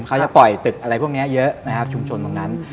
เขาจะปล่อยตึกอะไรพวกนี้เยอะนะครับชุมชนตรงนั้น